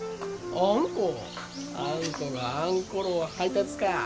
あんこがあんころを配達か。